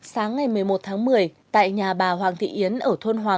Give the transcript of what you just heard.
sáng ngày một mươi một tháng một mươi tại nhà bà hoàng thị yến ở thô đô